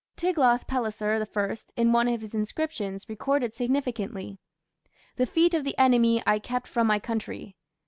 Tiglath pileser I, in one of his inscriptions, recorded significantly: "The feet of the enemy I kept from my country".